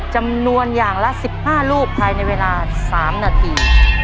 จำนวนอย่างละ๑๕ลูกภายในเวลา๓นาที